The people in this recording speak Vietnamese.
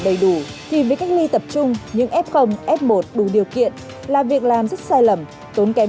đầy đủ thì mới cách ly tập trung những f f một đủ điều kiện là việc làm rất sai lầm tốn kém